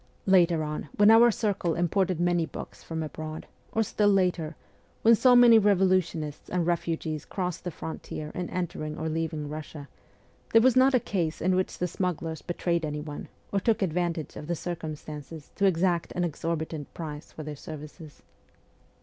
Later on, when our circle imported many books from abroad, or still later, when so many revolutionists and refugees crossed the frontier in entering or leaving Russia, there was not a case in which the smugglers betrayed anyone, or took advantage of the circumstances to exact an exorbitant price for their services.